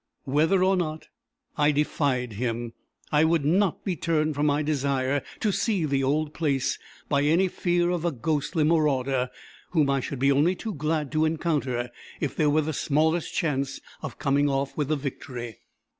Whether or not, I defied him. I would not be turned from my desire to see the old place by any fear of a ghostly marauder, whom I should be only too glad to encounter, if there were the smallest chance of coming off with the victory.